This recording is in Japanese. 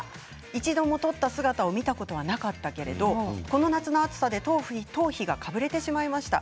一度も取った姿を見たことがなかったけれどこの夏の暑さで頭皮がかぶれてしまいました。